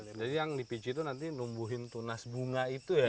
jadi yang dipicu itu nanti numbuhin tunas bunga itu ya